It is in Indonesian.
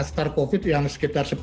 start covid yang sekitar sepuluh